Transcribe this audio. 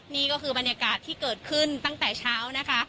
นี่ก็คือบรรยากาศที่เกิดขึ้นตั้งแต่เช้านะคะ